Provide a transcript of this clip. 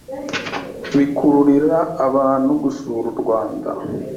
bikururira abantu gusura u rwanda